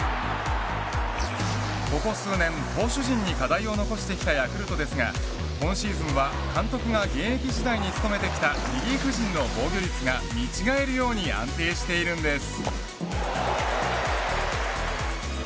ここ数年投手陣に課題を残してきたヤクルトですが今シーズンは、監督が現役時代に努めてきたリリーフ陣の防御率が見違えるように安定しているんです。